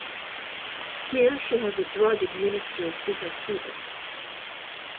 Here she has a drug administered to her fetus.